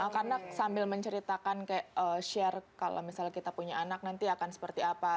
karena sambil menceritakan kayak share kalau misalnya kita punya anak nanti akan seperti apa